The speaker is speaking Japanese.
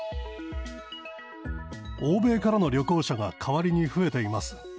欧米からの旅行者が代わりに増えています。